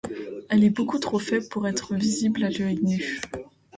Elle est beaucoup trop faible pour être visible à l'œil nu.